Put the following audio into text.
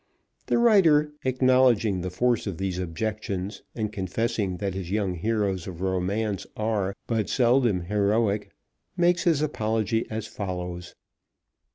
The writer, acknowledging the force of these objections, and confessing that his young heroes of romance are but seldom heroic, makes his apology as follows.